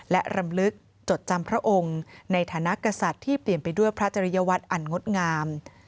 และรำลึกจดจำพระองค์ในฐานะกษัตริย์ที่เปลี่ยนไปด้วยพระจริยวัตรอันงดงาม